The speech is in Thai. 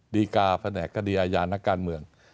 ดีกาแผนกคดีอาญานักการเมือง